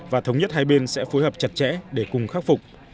và thống nhất hai bên sẽ phối hợp chặt chẽ để cùng khắc phục